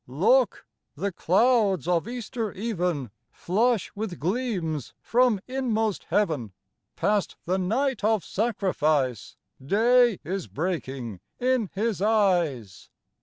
Look ! The clouds of Easter even om (8) Flush with gleams from inmost heaven. EASTER EVEN Past the night of sacrifice ! Day is breaking in His eyes